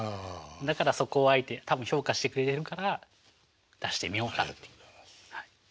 だからそこをあえて多分評価してくれてるから出してみようかっていうはい。